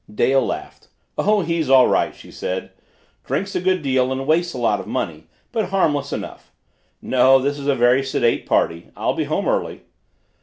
Dale laughed. "Oh, he's all right," she said. "Drinks a good deal and wastes a lot of money, but harmless enough. No, this is a very sedate party; I'll be home early."